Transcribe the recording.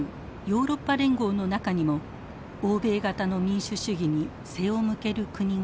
ＥＵヨーロッパ連合の中にも欧米型の民主主義に背を向ける国があります。